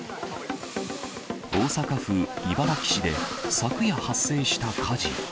大阪府茨木市で昨夜発生した火事。